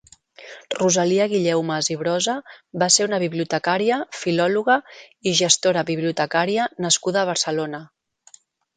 Rosalia Guilleumas i Brosa va ser una bibliotecària, filòloga i gestora bibliotecària nascuda a Barcelona.